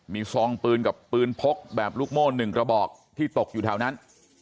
มีซองปืนกับปืนพกแบบลูกโม่๑กระบอกที่ตกอยู่แถวนั้น